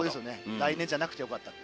来年じゃなくてよかったと。